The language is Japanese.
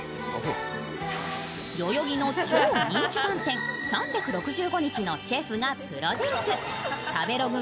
代々木の超人気パン店３６５日のシェフがプロデュース。